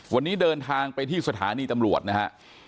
วันนี้เดินทางไปที่สถานีตำรวจนะฮะ